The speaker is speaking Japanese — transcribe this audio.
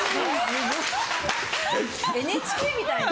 ＮＨＫみたいだ。